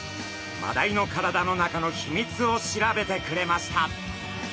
マダイの体の中の秘密を調べてくれました。